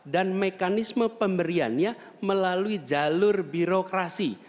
dan mekanisme pemberiannya melalui jalur birokrasi